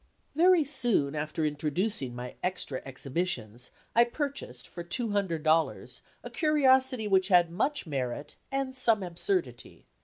Very soon after introducing my extra exhibitions, I purchased for $200, a curiosity which had much merit and some absurdity.